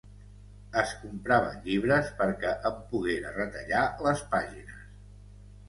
Es compraven llibres perquè en poguera retallar les pàgines.